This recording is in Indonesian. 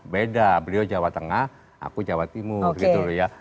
beda beliau jawa tengah aku jawa timur gitu loh ya